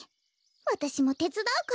わたしもてつだうから。